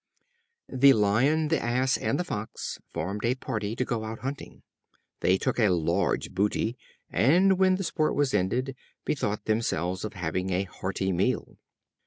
The Lion, the Ass and the Fox formed a party to go out hunting. They took a large booty, and when the sport was ended, bethought themselves of having a hearty meal.